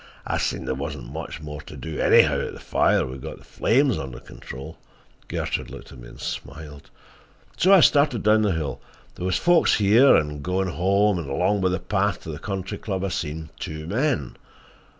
I seen there wasn't much more to do anyhow at the fire—we'd got the flames under control"—Gertrude looked at me and smiled—"so I started down the hill. There was folks here and there goin' home, and along by the path to the Country Club I seen two men.